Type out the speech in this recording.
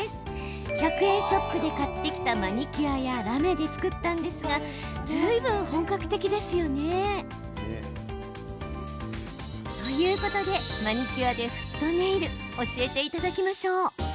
１００円ショップで買ってきたマニキュアやラメで作ったんですがずいぶん本格的ですよね。ということでマニキュアでフットネイル教えていただきましょう。